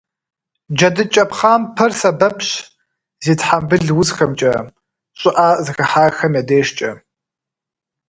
ДжэдыкӀэ пхъампэр сэбэпщ зи тхьэмбыл узхэмкӀэ, щӀыӀэ зыхыхьахэм я дежкӀэ.